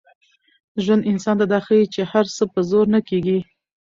ژوند انسان ته دا ښيي چي هر څه په زور نه کېږي.